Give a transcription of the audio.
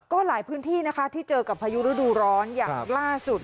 ก็หลายพื้นที่นะคะที่เจอกับพายุฤดูร้อนอย่างล่าสุด